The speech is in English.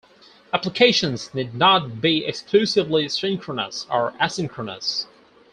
Applications need not be exclusively synchronous or asynchronous.